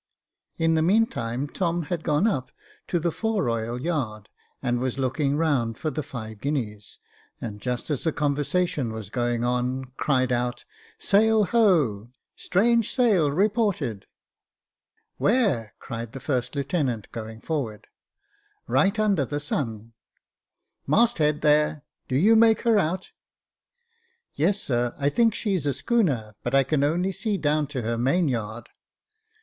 In the meantime Tom had gone up to the fore royal yard, and was looking round for the five guineas, and just as the conversation was going on, cried out, " Sail ho !"" Strange sail reported." "Where ?" cried the first lieutenant, going forward. " Right under the sun." " Mast head there — do you make her out ?"" Yes, sir ; I think she's a schooner , but I can only see down to her mainyard."